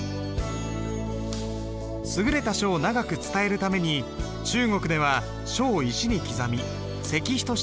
優れた書を長く伝えるために中国では書を石に刻み石碑として残してきた。